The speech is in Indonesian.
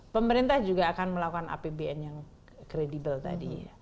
pemerintah juga akan melakukan apbn yang kredibel tadi